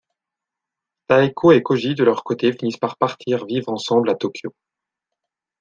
Taeko et Koji de leur côté finissent par partir vivre ensemble à Tokyo.